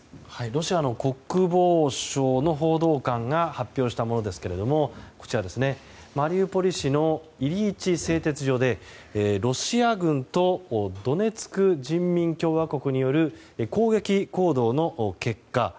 ロシアの国防省の報道官が発表したものですがマリウポリ市のイリイチ製鉄所で、ロシア軍とドネツク人民共和国による攻撃行動の結果